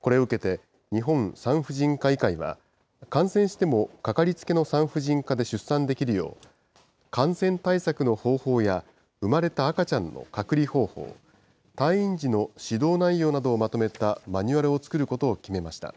これを受けて、日本産婦人科医会は、感染しても、かかりつけの産婦人科で出産できるよう、感染対策の方法や、生まれた赤ちゃんの隔離方法、退院時の指導内容などをまとめたマニュアルを作ることを決めました。